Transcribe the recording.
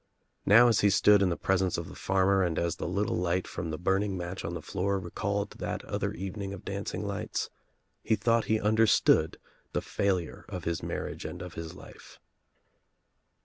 Now as he stood in the presence of the farmer and as the little light from the burning match on the floor recalled that other evening of dancing lights, he thought he understood the failure of his marriage and of his life.